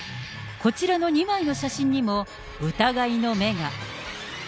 こちらの２枚の写真にも、疑いの目が。